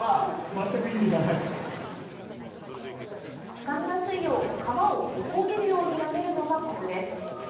つかみやすいよう、川を横切るように投げるのがこつです。